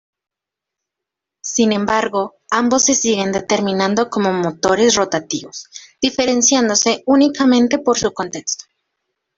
Sin embargo, ambos se siguen determinando como "motores rotativos", diferenciándose únicamente por su contexto.